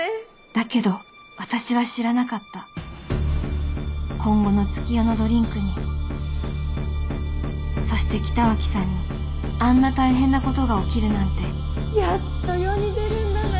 だけど私は知らなかった今後の月夜野ドリンクにそして北脇さんにあんな大変なことが起きるなんてやっと世に出るんだな！